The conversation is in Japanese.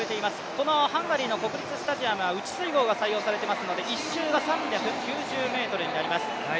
このハンガリーの国立スタジアムは内水濠が採用されていますので１周が３９０ｍになります。